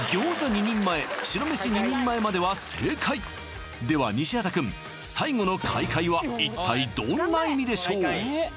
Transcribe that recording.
２人前白飯２人前までは正解では西畑くん最後のカイカイは一体どんな意味でしょう？